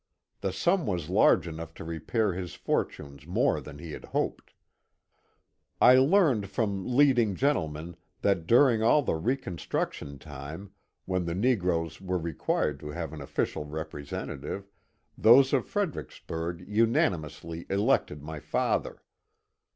The sum was large enough to repair his fortunes more than he had hoped. I learned from leading gentlemen that during all the ^' re construction " time, when the negroes were required to have an official representative, those of Fredericksburg unani mously elected my father.